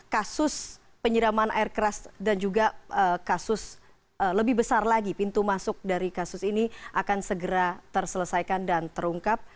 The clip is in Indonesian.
kasus penyiraman air keras dan juga kasus lebih besar lagi pintu masuk dari kasus ini akan segera terselesaikan dan terungkap